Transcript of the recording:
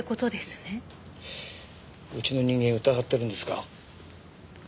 うちの人間を疑ってるんですか？